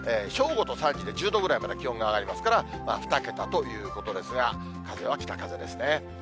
正午と３時で１０度ぐらいまで気温が上がりますから、２桁ということですが、風は北風ですね。